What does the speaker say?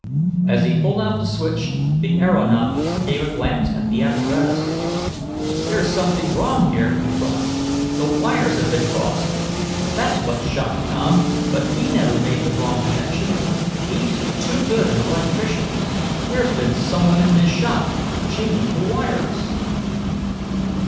As he pulled out the switch, the aeronaut gave a glance at the apparatus. "There's something wrong here!" he cried. "The wires have been crossed! That's what shocked Tom, but he never made the wrong connections! He's too good an electrician! There's been some one in this shop, changing the wires!"